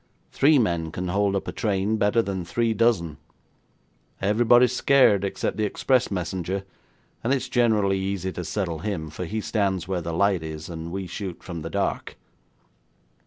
Three men can hold up a train better than three dozen. Everybody's scared except the express messenger, and it's generally easy to settle him, for he stands where the light is, and we shoot from the dark.